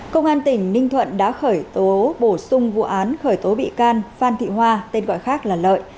công an tỉnh ninh thuận đã khởi tố bổ sung vụ án khởi tố bị can phan thị hoa tên gọi khác là lợi